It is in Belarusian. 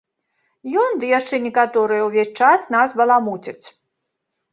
Ён ды яшчэ некаторыя ўвесь час нас баламуцяць.